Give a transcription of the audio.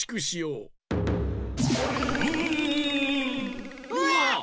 うわ！